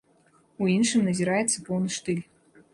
У іншым назіраецца поўны штыль.